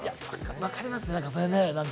分かります。